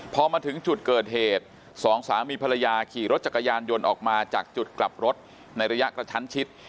พอมาถึงจุดเกิดเหตุสองสามีภรรยาขี่รถจักรยานยนต์ออกมาจากจุดกลับรถในระยะกระชั้นชิด